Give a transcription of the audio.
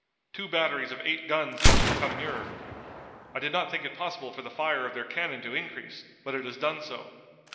Two batteries of eight guns each have come nearer. I did not think it possible for the fire of their cannon to increase, but it has done so.